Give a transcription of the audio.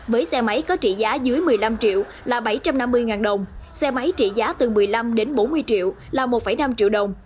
với xe máy có trị giá dưới một mươi năm triệu là bảy trăm năm mươi đồng xe máy trị giá từ một mươi năm đến bốn mươi triệu là một năm triệu đồng